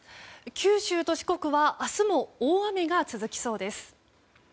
九州と四国は明日も大雨が続きそうです。